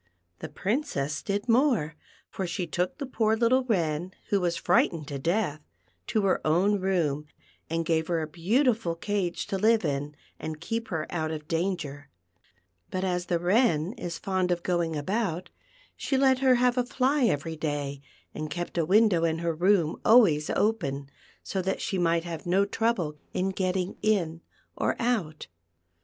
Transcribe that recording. The Princess did more ; for she took the poor little VWen, who was frightened to death, to her own room, and gave her a beautiful cage to live in, and keep her out of danger; but as the Wren is fond of going about, she let her have a fly every day, and kept a window in her room alwa\ s open, so that she might have no trouble in getting in or out.